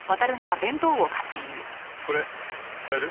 これ使える？